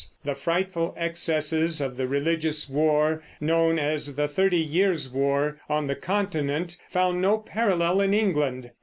The frightful excesses of the religious war known as the Thirty Years' War on the Continent found no parallel in England.